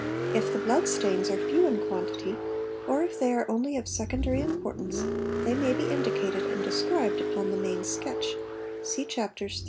If the blood stains are few in quantity or if they are only of secondary importance they may be indi cated and described upon the main sketch (see Chaps.